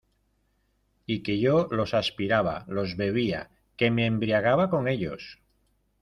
y que yo los aspiraba, los bebía , que me embriagaba con ellos...